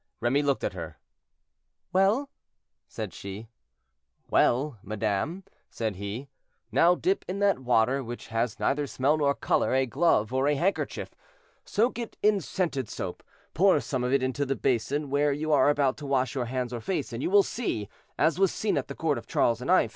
Remy looked at her. "Well?" said she. "Well, madame," said he, "now dip in that water, which has neither smell nor color, a glove or a handkerchief; soak it in scented soap, pour some of it into the basin where you are about to wash your hands or face, and you will see, as was seen at the court of Charles IX.